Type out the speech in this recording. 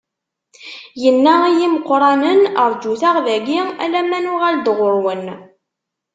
Inna i imeqqranen: Rǧut-aɣ dagi alamma nuɣal-d ɣur-wen.